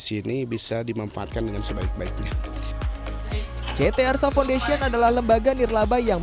sini bisa dimanfaatkan dengan sebaik baiknya ct arsa foundation adalah lembaga nirlaba yang